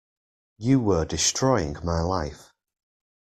You were destroying my life.